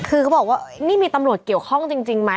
คือเขาบอกว่านี่มีตำรวจเกี่ยวข้องจริงไหม